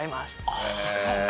ああそうか。